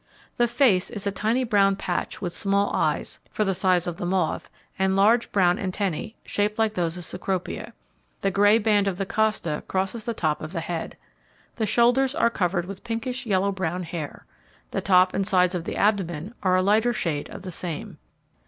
The face is a tiny brown patch with small eyes, for the size of the moth, and large brown antennae, shaped like those of Cecropia. The grey band of the costa crosses the top of the head. The shoulders are covered with pinkish, yellow brown hair. The top and sides of the abdomen are a lighter shade of the same.